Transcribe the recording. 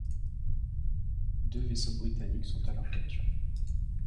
Deux vaisseaux britanniques sont alors capturés.